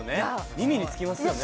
耳につきますよね